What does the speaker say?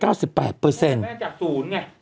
แม่งจากศูนย์ไง